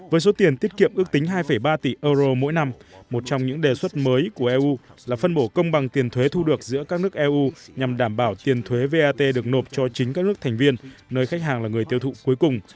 với số tiền tiết kiệm ước tính hai ba tỷ euro mỗi năm một trong những đề xuất mới của eu là phân bổ công bằng tiền thuế thu được giữa các nước eu nhằm đảm bảo tiền thuế vat được nộp cho chính các nước thành viên nơi khách hàng là người tiêu thụ cuối cùng